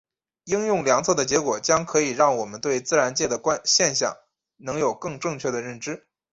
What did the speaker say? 应用量测的结果将可以让我们对自然界的现象能有更正确的认知。